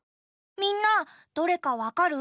みんなどれかわかる？